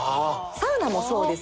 サウナもそうですよね。